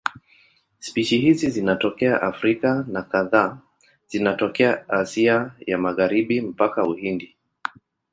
Spishi hizi zinatokea Afrika na kadhaa zinatokea Asia ya Magharibi mpaka Uhindi.